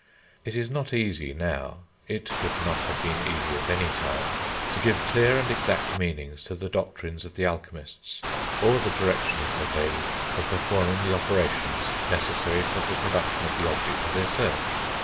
It is not easy now it could not have been easy at any time to give clear and exact meanings to the doctrines of the alchemists, or the directions they gave for performing the operations necessary for the production of the object of their search.